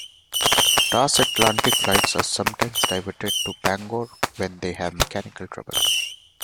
Transatlantic flights are sometimes diverted to Bangor when they have mechanical trouble.